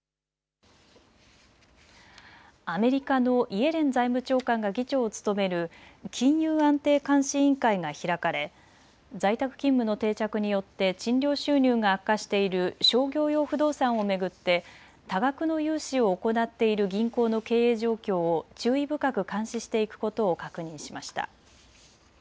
アメリカのイエレン財務長官が議長を務める金融安定監視委員会が開かれ在宅勤務の定着によって賃料収入が悪化している商業用不動産を巡って多額の融資を行っている銀行の経営状況を注意深く監視していくことを確認しました。